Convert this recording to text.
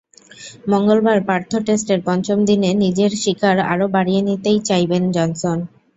মঙ্গলবার পার্থ টেস্টের পঞ্চম দিনে নিজের শিকার আরও বাড়িয়ে নিতেই চাইবেন জনসন।